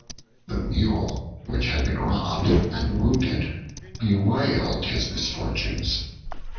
The Mule which had been robbed and wounded bewailed his misfortunes.